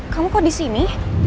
kamu kok disini